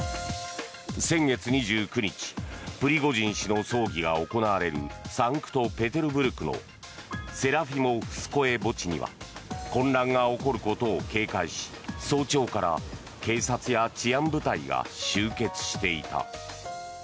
先月２９日プリゴジン氏の葬儀が行われるサンクトペテルブルクのセラフィモフスコエ墓地には混乱が起こることを警戒し早朝から警察や治安部隊が集結していた。